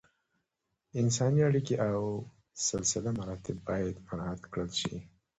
انساني اړیکې او سلسله مراتب باید مراعت کړل شي.